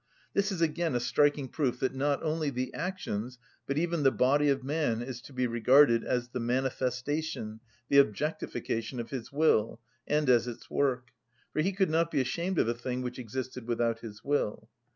This is again a striking proof that not only the actions but even the body of man is to be regarded as the manifestation, the objectification, of his will, and as its work. For he could not be ashamed of a thing which existed without his will.